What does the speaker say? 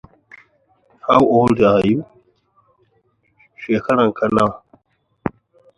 The Detroit Dragons and Grand Rapids Warthogs have also been announced.